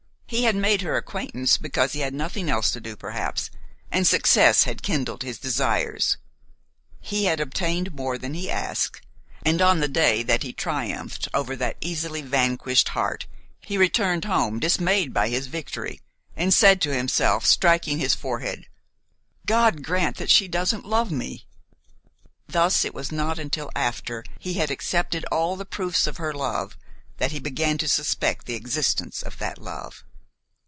He had made her acquaintance because he had nothing else to do, perhaps, and success had kindled his desires; he had obtained more than he asked, and on the day that he triumphed over that easily vanquished heart he returned home dismayed by his victory, and said to himself, striking his forehead: "God grant that she doesn't love me!" Thus it was not until after he had accepted all the proofs of her love that he began to suspect the existence of that love.